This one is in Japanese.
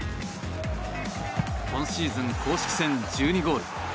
今シーズン公式戦１２ゴール。